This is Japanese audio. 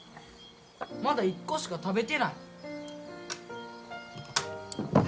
まだ１個しか食べてない。